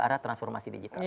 arah transformasi digital